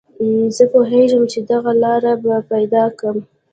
زه پوهېدم چې دغه لاره به پیدا کوم